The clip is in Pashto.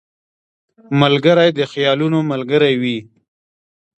ملګری د خیالونو ملګری وي